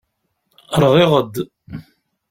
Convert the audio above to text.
Rɣiɣ-d.